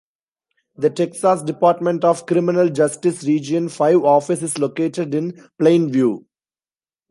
The Texas Department of Criminal Justice Region Five office is located in Plainview.